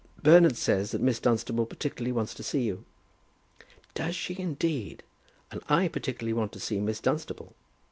"Bernard says that Miss Dunstable particularly wants to see you." "Does she, indeed? And I particularly want to see Miss Dunstable.